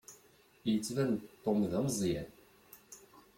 Yettban-d Tom d ameẓẓyan.